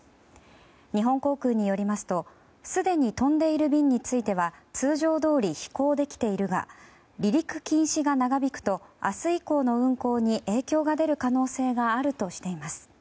日本航空によりますとすでに飛んでいる便については通常どおり飛行できているが離陸禁止が長引くと明日以降の運航に影響が出る可能性があるとしています。